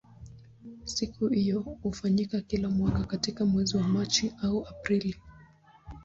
Siku hiyo hufanyika kila mwaka katika mwezi wa Machi au Aprili.